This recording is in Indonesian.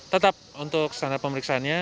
tetap untuk standar pemeriksaannya